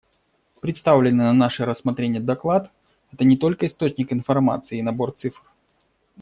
Представленный на наше рассмотрение доклад — это не только источник информации и набор цифр.